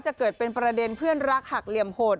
จะเกิดเป็นประเด็นเพื่อนรักหักเหลี่ยมโหด